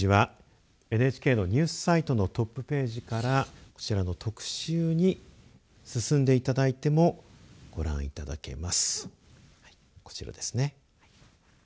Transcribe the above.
こちらの記事はＮＨＫのニュースサイトのトップページからこちらの特集に進んでいただいてもご覧いただけます。